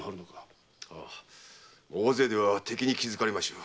大勢では敵に気づかれましょう。